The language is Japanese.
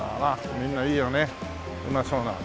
みんないいよねうまそうなの。